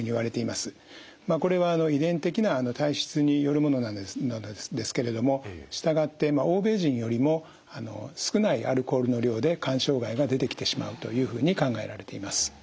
まあこれは遺伝的な体質によるものなんですけれども従って欧米人よりも少ないアルコールの量で肝障害が出てきてしまうというふうに考えられています。